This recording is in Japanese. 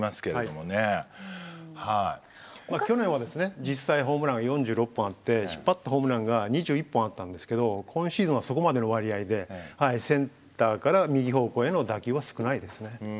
去年はですね実際ホームランが４６本あって引っ張ったホームランが２１本あったんですけど今シーズンはそこまでの割合でセンターから右方向への打球は少ないですね。